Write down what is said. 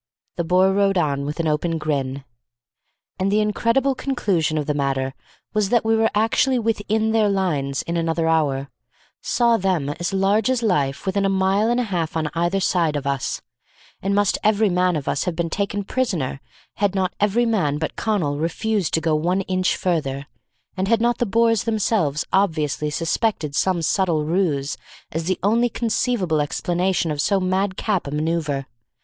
The Boer rode on with an open grin. And the incredible conclusion of the matter was that we were actually within their lines in another hour; saw them as large as life within a mile and a half on either side of us; and must every man of us have been taken prisoner had not every man but Connal refused to go one inch further, and had not the Boers themselves obviously suspected some subtle ruse as the only conceivable explanation of so madcap a manoeuvre.